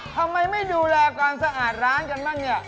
ทำไมไม่ดูแลกว่าศาสตร์ร้านกันบ้างนี่